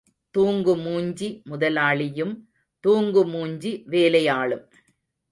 தூங்குமூஞ்சி முதலாளியும், தூங்குமூஞ்சி வேலையாளும்.